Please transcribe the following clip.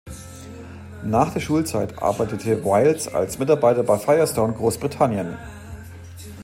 Nach der Schulzeit arbeitete Wilds als Mitarbeiter bei Firestone Großbritannien.